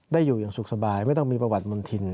อยู่อย่างสุขสบายไม่ต้องมีประวัติมณฑิน